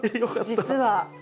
実は。